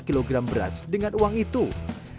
jika anda mau membeli mobil dengan uang yang lebih besar